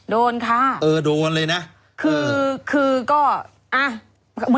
โดนค่ะเออโดนเลยนะคือคือก็อ่ะ